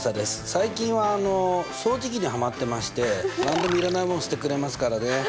最近は掃除機にはまってまして何でもいらないもの吸ってくれますからね。